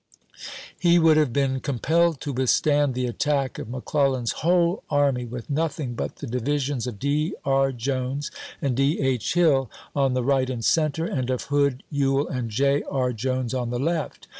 He would have been com ^Part Z" pelled to withstand the attack of McClellan's whole ^'^*" army with nothing but the divisions of D. R. Jones and D. H. Hill on the right and center, and of Hood, Ewell, and J. E. Jones on the left.